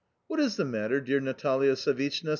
"What is the matter, dear Natalia Savishna?"